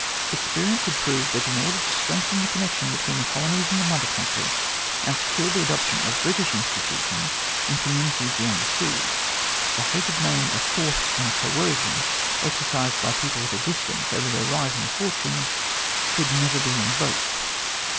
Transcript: Experience had proved that in order to strengthen the connection between the colonies and the Mother Country, and secure the adoption of British institu tions in communities beyond the seas, the hated name of force and coercion, exercised by people at a distance over their rising fortunes, should never be invoked.